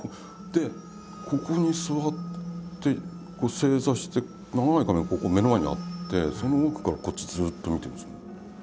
でここに座って正座して長い髪がこう目の前にあってその奥からこっちずっと見てるんですよ。